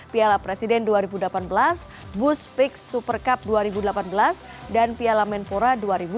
piala presiden dua ribu delapan belas bus fix super cup dua ribu delapan belas dan piala menpora dua ribu delapan belas